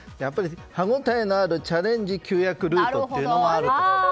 歯応えのあるチャレンジ旧訳ルートというのがある。